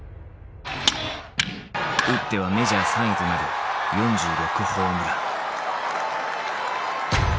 打ってはメジャー３位となる４６ホームラン。